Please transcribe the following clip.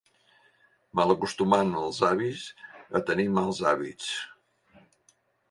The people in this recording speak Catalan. Malacostumant els avis a tenir mals hàbits.